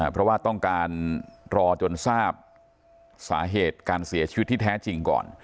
เพราะว่าต้องการรอจนทราบสาเหตุการเสียชีวิตที่แท้จริงก่อน